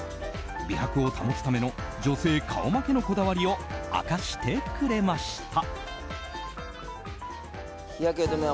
美白を保つための女性顔負けのこだわりを明かしてくれました。